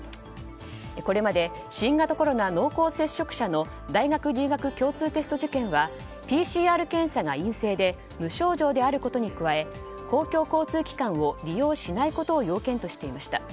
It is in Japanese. これまで新型コロナ濃厚接触者の大学入学共通テスト受験はＰＣＲ検査が陰性で無症状であることに加え公共交通機関を利用しないことを要件としていました。